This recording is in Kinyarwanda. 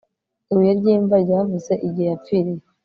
ibuye ry'imva ryavuze igihe yapfiriye